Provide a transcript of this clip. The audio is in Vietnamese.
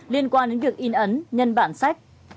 liên quan đến việc in ấn nhân bản sách